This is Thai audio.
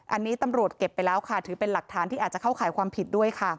อันนี้ตำรวจเก็บไปแล้วค่ะถือเป็นหลักฐานที่อาจจะเข้าข่ายความผิดด้วยค่ะ